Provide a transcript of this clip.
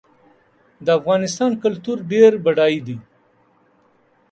د افغانستان کلتور ډېر بډای دی.